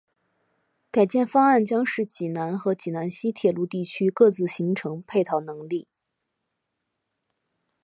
改建方案将使济南和济南西铁路地区各自形成配套能力。